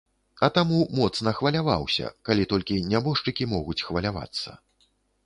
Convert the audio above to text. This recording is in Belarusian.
А таму моцна хваляваўся, калі толькі нябожчыкі могуць хвалявацца.